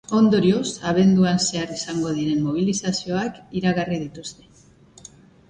Ondorioz, abenduan zehar izango diren mobilizazioak iragarri dituzte.